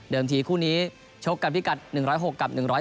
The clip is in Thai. ทีคู่นี้ชกกันพิกัด๑๐๖กับ๑๐